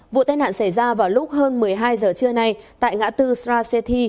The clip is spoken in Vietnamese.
vụ tai nạn xảy ra vào lúc hơn một mươi hai giờ trưa nay tại ngã tư srasethi